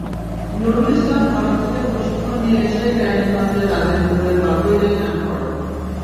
নুরুল ইসলাম ভারত থেকে প্রশিক্ষণ নিয়ে এসে কেরানীগঞ্জের রাজেন্দ্রপুরের বাঘৈরে ক্যাম্প করেন।